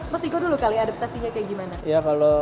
mas diko dulu kali adaptasinya kayak gimana